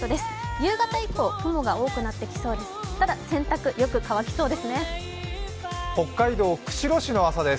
夕方以降、雲が多くなってきそうです。